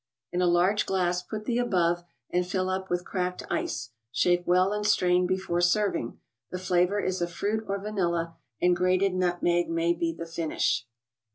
In a large glass put the above, and fill up with cracked ice ; shake well and strain before serving. The flavor is a fruit or vanilla, and grated nutmeg may be the finish.